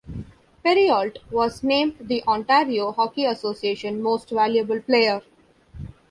Perreault was named the Ontario Hockey Association most valuable player.